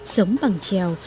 sống bằng trèo